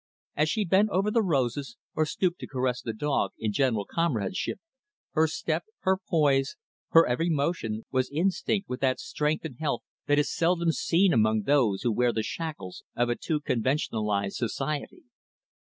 As she bent over the roses, or stooped to caress the dog, in gentle comradeship, her step, her poise, her every motion, was instinct with that strength and health that is seldom seen among those who wear the shackles of a too conventionalized society.